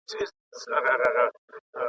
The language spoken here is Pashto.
دا سر زوري خلک غوږ پر هره وینا نه نیسي !.